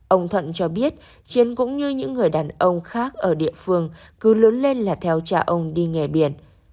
ông thuận cho biết chiến cũng như những người đàn ông khác ở địa phương cứ lớn lên là theo cha ông đi nghề biển